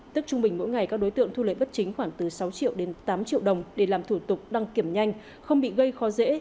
tức trung bình mỗi ngày các đối tượng thu lợi bất chính khoảng từ sáu triệu đến tám triệu đồng để làm thủ tục đăng kiểm nhanh không bị gây khó dễ